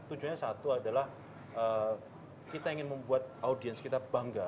tujuannya satu adalah kita ingin membuat audiens kita bangga